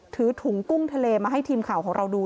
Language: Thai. ถือถุงกุ้งทะเลมาให้ทีมข่าวของเราดู